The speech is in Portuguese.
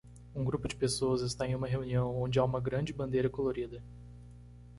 Um grupo de pessoas está em uma reunião onde há uma grande bandeira colorida